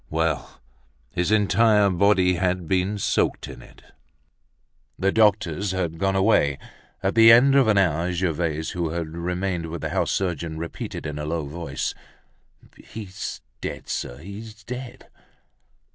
Well! his entire body had been soaked in it. The doctors had gone away. At the end of an hour Gervaise, who had remained with the house surgeon, repeated in a low voice: "He's dead, sir; he's dead!"